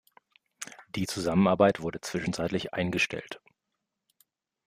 Die Zusammenarbeit wurde zwischenzeitlich eingestellt.